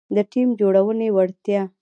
-د ټیم جوړونې وړتیا